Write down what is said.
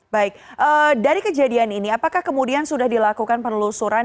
baik dari kejadian ini apakah kemudian sudah dilakukan penelusuran